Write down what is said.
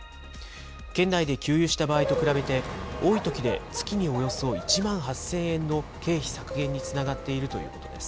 県内で給油した場合と比べて、多いときで月におよそ１万８０００円の経費削減につながっているということです。